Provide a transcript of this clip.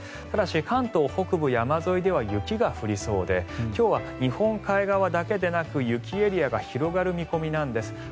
ただし、関東北部山沿いでは雪が降りそうで今日は日本海側だけでなく雪エリアが広がる見込みなんです。